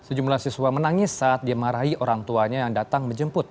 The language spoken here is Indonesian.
sejumlah siswa menangis saat dimarahi orang tuanya yang datang menjemput